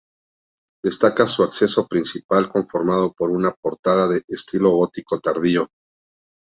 Destaca su acceso principal, conformado por una portada de estilo gótico tardío.